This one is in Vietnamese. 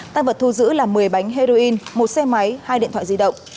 tăng vật thu giữ là một mươi bánh heroin một xe máy hai điện thoại di động